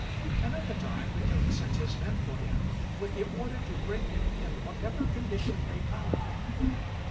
Another time the King sent his men for him, with the order to bring him in whatever condition they found him.